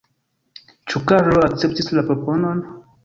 Ĉu Karlo akceptis la proponon?